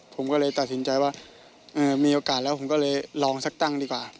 ผมก็เลยตัดสินใจว่ามีโอกาสแล้วผมก็เลยลองสักตั้งดีกว่า